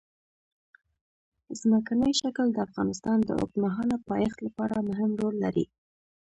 ځمکنی شکل د افغانستان د اوږدمهاله پایښت لپاره مهم رول لري.